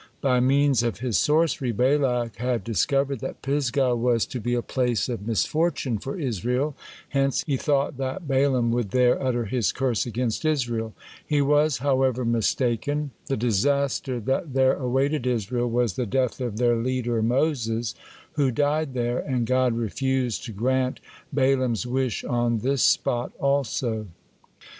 By means of his sorcery, Balak had discovered that Pisgah was to be a place of misfortune for Israel, hence he thought the Balaam would there utter his curse against Israel. He was, however, mistaken; the disaster that there awaited Israel was the death of their leader Moses, who died there, and God refused to grant Balaam's wish on this spot also.